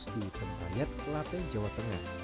di kempra yat lateng jawa tengah